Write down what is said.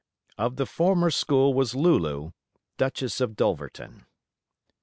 Of the former school was Lulu, Duchess of Dulverton.